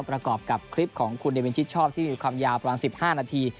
ประกอบกับคลิปของคุณเดวินชิดชอบที่มีความยาวประมาณ๑๕นาที